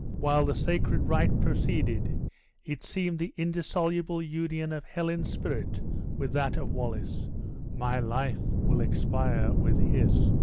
While the sacred rite proceeded, it seemed the indissoluble union of Helen's spirit with that of Wallace: "My life will expire with his!"